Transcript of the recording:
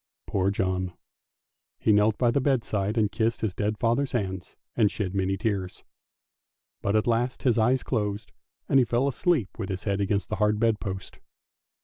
Poor John! he knelt by the bedside and kissed his dead father's hands and shed many tears; but at last his eyes closed, and he fell asleep with his head against the hard bed post.